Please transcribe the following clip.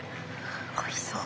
おいしそう。